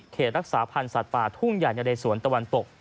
เขตรักษาพันธ์สัตว์ป่าทุ่งหญ่าในในสวนด้านตะวันตก